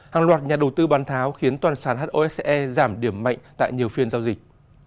hàng loạt nhà đầu tư bán tháo khiến toàn sản hose giảm điểm mạnh tại nhiều phiên giao dịch